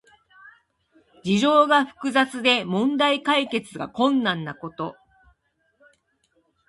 事情が複雑で問題解決が困難なこと。